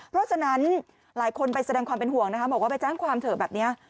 เพราะฉะนั้นหลายคนไปแสดงความเป็นห่วงนะคะบอกว่าไปแจ้งความเถอะแบบนี้